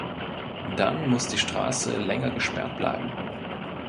Dann muss die Straße länger gesperrt bleiben.